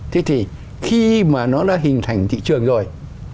thế thì khi mà nó đã hình thành thị trường rồi